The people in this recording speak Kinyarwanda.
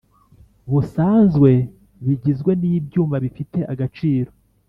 busanzwe bigizwe n ibyuma bifite agaciro